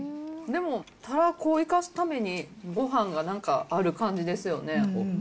でも、たらこを生かすために、ごはんがなんかある感じですよね。